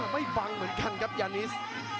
ไม่ฟังเหมือนกันครับยานิส